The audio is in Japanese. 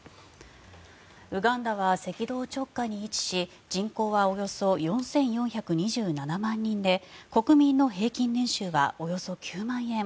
ウガンダは赤道直下に位置し人口はおよそ４４２７万人で国民の平均年収はおよそ９万円。